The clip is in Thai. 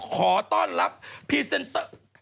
ขอต้อนรับพรีเซนเตอร์